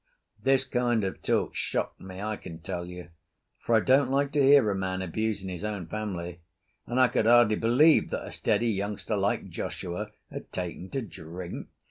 This kind of talk shocked me, I can tell you, for I don't like to hear a man abusing his own family, and I could hardly believe that a steady youngster like Joshua had taken to drink.